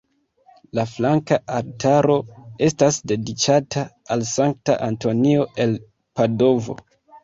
La flanka altaro estas dediĉata al Sankta Antonio el Padovo.